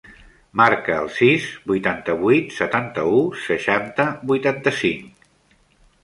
Marca el sis, vuitanta-vuit, setanta-u, seixanta, vuitanta-cinc.